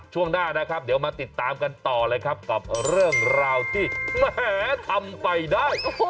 ช่วงหน้านะครับเดี๋ยวมาติดตามกันต่อเลยครับกับเรื่องราวที่แหมทำไปได้